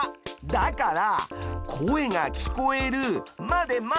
だから「声が聞こえる」「まで待つ」ってことか！